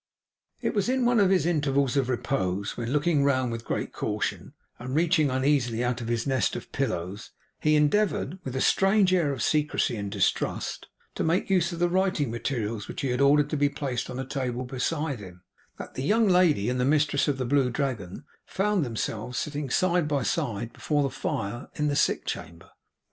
It was in one of his intervals of repose, when, looking round with great caution, and reaching uneasily out of his nest of pillows, he endeavoured, with a strange air of secrecy and distrust, to make use of the writing materials which he had ordered to be placed on a table beside him, that the young lady and the mistress of the Blue Dragon found themselves sitting side by side before the fire in the sick chamber.